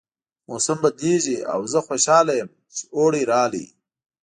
موسم بدلیږي او زه خوشحاله یم چې اوړی راغی